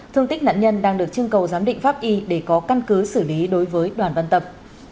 thương tích nạn nhân đang được trưng cầu giám định pháp y để có căn cứ xử lý đối với đoàn văn tập